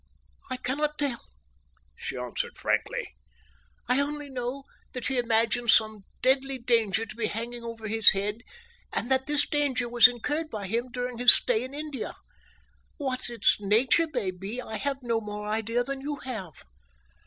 "I cannot tell," she answered frankly. "I only know that he imagines some deadly danger to be hanging over his head, and that this danger was incurred by him during his stay in India. What its nature may be I have no more idea than you have."